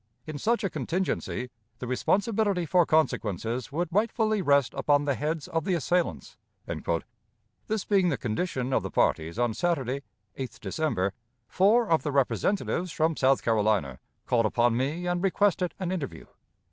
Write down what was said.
In such a contingency, the responsibility for consequences would rightfully rest upon the heads of the assailants." This being the condition of the parties on Saturday, 8th December, four of the representatives from South Carolina called upon me and requested an interview.